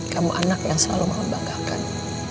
kamu anak yang selalu mama banggakan